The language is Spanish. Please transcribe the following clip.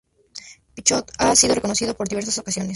Pichot ha sido reconocido en diversas ocasiones.